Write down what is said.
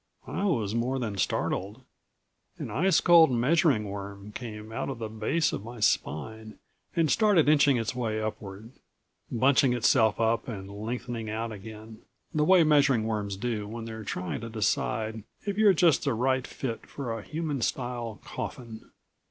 I was more than startled. An ice cold measuring worm came out at the base of my spine and started inching its way upward, bunching itself up and lengthening out again, the way measuring worms do when they're trying to decide if you're just the right fit for a human style coffin.